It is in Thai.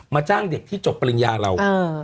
จ้างเด็กที่จบปริญญาเรา